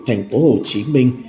thành phố hồ chí minh